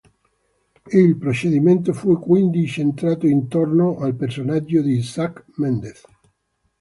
Il procedimento fu quindi incentrato intorno al personaggio di Isaac Mendez.